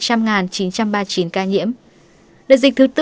các địa phương ghi nhận số ca nhiễm giảm nhiều nhất so với ngày trước đó